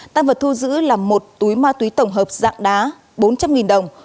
tăng vật thu giữ là một túi ma túy tổng hợp dạng đá bốn trăm linh đồng